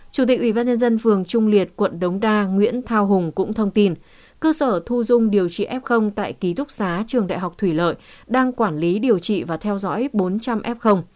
chủ tịch ủy ban nhân dân phường trung liệt quận đống đa nguyễn thao hùng cũng thông tin cơ sở thu dung điều trị f tại ký túc xá trường đại học thủy lợi đang quản lý điều trị và theo dõi bốn trăm linh f